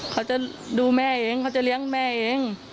เขาจะดูแม่เองเขาจะเลี้ยงแม่เอง